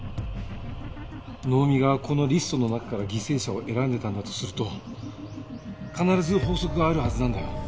能見がこのリストの中から犠牲者を選んでたんだとすると必ず法則があるはずなんだよ。